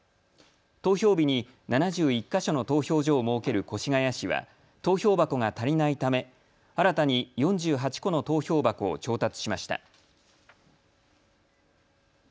投票日に７１か所の投票所を設ける越谷市は投票箱が足りないため新たに４８個の投票箱を調達しました。